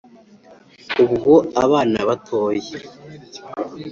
Ubwo abana batoya